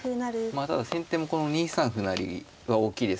まあただ先手もこの２三歩成は大きいです。